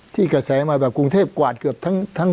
ที่กระแสมาแบบกรุงเทพกวาดเกือบทั้ง